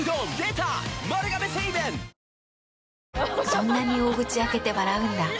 そんなに大口開けて笑うんだ。